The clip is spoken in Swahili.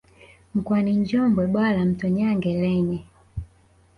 mkoani Njombe Bwawa la Mto Nyange lenye